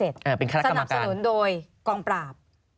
สนับสนุนโดยกองปราบ